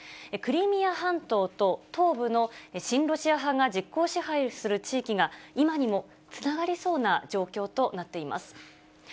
クリミア半島と東部の親ロシア派が実効支配する地域が今にもつながりそうな状況となっています。